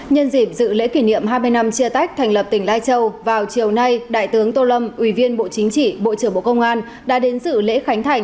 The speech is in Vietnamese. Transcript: nhân dịp dự lễ kỷ niệm hai mươi năm chia tách thành lập tỉnh lai châu vào chiều nay đại tướng tô lâm ủy viên bộ chính trị bộ trưởng bộ công an đã đến dự lễ khánh thành